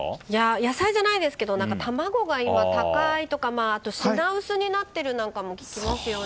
野菜じゃないですけど卵が高いとか品薄になってるっていうのも聞きますよね。